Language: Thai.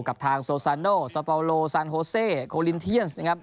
กับทางโซซานโนสปาโลซานโฮเซโคลินเทียนสนะครับ